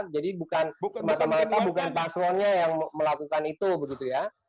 jadi bukan sebatas mata bukan paslonnya yang melakukan itu begitu ya